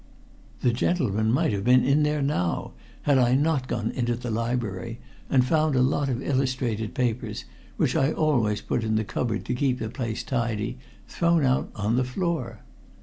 "The gentleman might have been in there now had I not gone into the library and found a lot of illustrated papers, which I always put in the cupboard to keep the place tidy, thrown out on to the floor.